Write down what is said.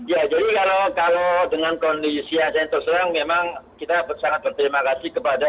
ya jadi kalau dengan kondisi yang saya terserang memang kita sangat berterima kasih kepada